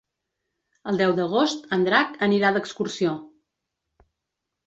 El deu d'agost en Drac anirà d'excursió.